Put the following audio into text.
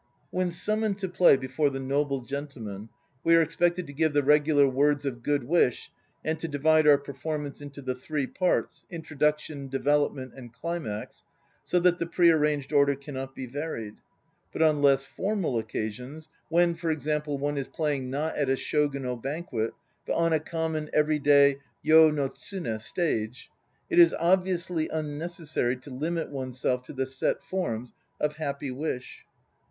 When summoned to play before the noble gentlemen, we are ex pected to give the regular "words of good wish" and to divide our performance into the three parts, Introduction, Development and Climax, so that the pre arranged order cannot be varied. ... But on less formal occasions, when, for example, one is playing not at a Shogunal banquet but on a common, everyday (yo no tsune) stage, it is obviously unnecessary to limit oneself to the set forms of "happy wish."